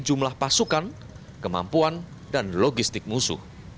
jumlah pasukan kemampuan dan logistik musuh